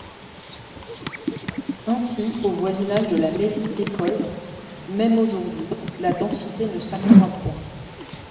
Ainsi au voisinage de la mairie-école, même aujourd'hui, la densité ne s'accroît point.